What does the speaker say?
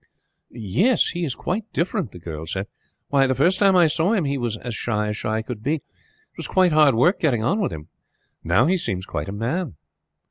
"Yes, he is quite different," the girl said. "Why, the first time I saw him he was as shy as shy could be. It was quite hard work getting on with him. Now he seems quite a man."